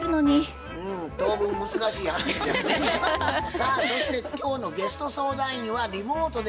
さあそして今日のゲスト相談員はリモートでご出演のこの方です。